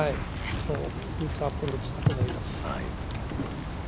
ミスアプローチだったと思います。